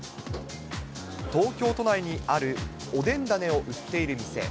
東京都内にあるおでん種を売っている店。